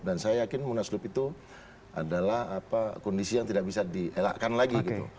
dan saya yakin munaslub itu adalah kondisi yang tidak bisa dielakkan lagi gitu